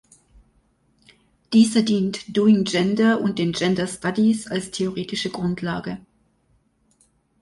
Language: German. Dieser dient Doing Gender und den Gender Studies als theoretische Grundlage.